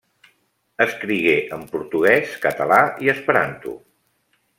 Escrigué en portuguès, català i esperanto.